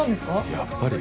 「やっぱり」？